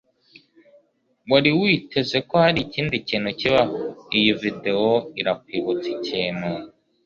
Wari witeze ko hari ikindi kintu kibaho? Iyi video irakwibutsa ikintu?